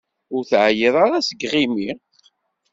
Ur teεyiḍ ara seg yiɣimi?